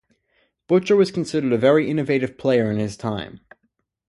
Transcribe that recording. Butcher was considered a very innovative player in his time.